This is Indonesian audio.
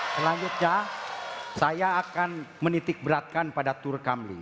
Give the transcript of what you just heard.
selanjutnya saya akan menitik beratkan pada tur kamli